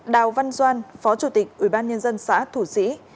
đào văn doan phó chủ tịch ubnd xã thủ sĩ